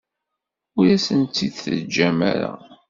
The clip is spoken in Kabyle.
Ur asen-tt-id-teǧǧam ara.